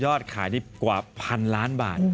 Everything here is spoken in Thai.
ยอดขายได้กว่า๑๐๐๐ล้านบาท